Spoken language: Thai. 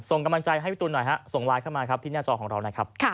ส่งกำลังใจให้วิทุณหน่อยส่งไลน์เข้ามาที่หน้าจอของเรานะครับ